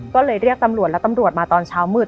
ก็เลยเรียกตำรวจแล้วตำรวจมาตอนเช้ามืด